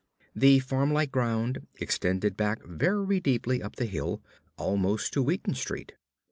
"] The farm like ground extended back very deeply up the hill, almost to Wheaton Street.